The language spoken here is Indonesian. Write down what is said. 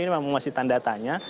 ini memang masih tanda tanya